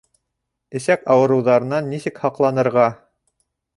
Эсәк ауырыуҙарынан нисек һаҡланырға?